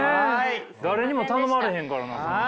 誰にも頼まれへんからな。